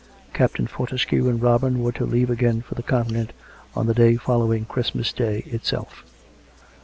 Captain Fortescue and Robin were to leave again for the Continent on the day following Christmas Day itself.